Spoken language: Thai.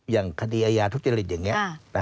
อย่างคดีอายาทุจริตอย่างนี้